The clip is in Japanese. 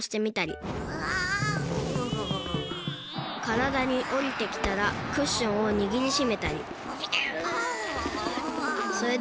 からだにおりてきたらクッションをにぎりしめたりぎゅう。